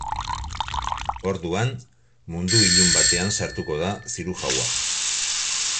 Orduan, mundu ilun batean sartuko da zirujaua.